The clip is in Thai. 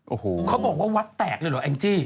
โอ้โหเขาบอกว่าวัดแตกเลยเหรอแองจี้